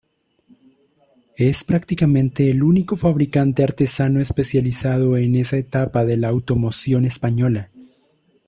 Es prácticamente el único fabricante artesano especializado en esa etapa de la automoción española.